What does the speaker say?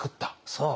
そう。